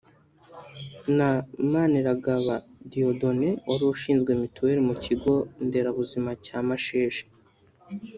na Maniragaba Dieudone wari ushinzwe Mituweli mu kigo nderabuzima cya Mashesha